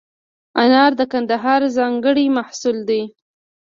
انار د کندهار ځانګړی محصول دی.